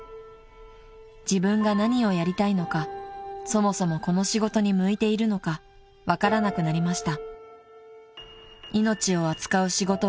［「自分が何をやりたいのかそもそもこの仕事に向いているのか分からなくなりました」］